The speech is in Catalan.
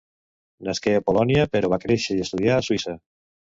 Nasqué a Polònia però va créixer i estudià a Suïssa.